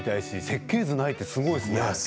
設計図がないってすごいですね。